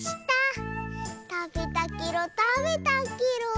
たべたケロたべたケロ。